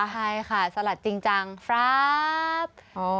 ใช่ค่ะสลัดจริงจังครับ